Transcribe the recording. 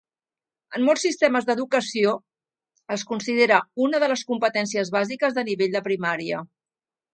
En molts sistemes d'educació es considera una de les competències bàsiques de nivell de primària.